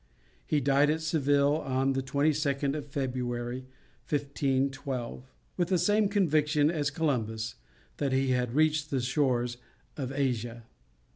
He died at Seville on the 22nd of February, 1512, with the same conviction as Columbus, that he had reached the shores of Asia.